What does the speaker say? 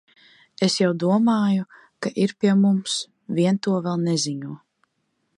Es jau domāju, ka ir pie mums, vien to vēl neziņo.